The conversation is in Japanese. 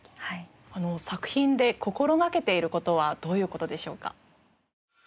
作品で心掛けている事はどういう事でしょうか？